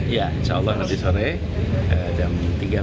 ya insya allah nanti sore jam tiga lima kita ada open house disini